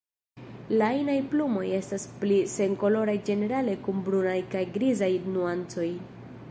La inaj plumoj estas pli senkoloraj ĝenerale kun brunaj kaj grizaj nuancoj.